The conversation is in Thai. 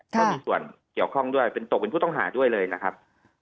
ก็มีส่วนเกี่ยวข้องด้วยเป็นตกเป็นผู้ต้องหาด้วยเลยนะครับ